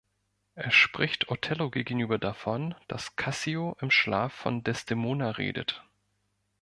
Er spricht Otello gegenüber davon, dass Cassio im Schlaf von Desdemona redet.